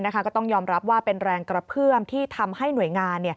ก็ต้องยอมรับว่าเป็นแรงกระเพื่อมที่ทำให้หน่วยงาน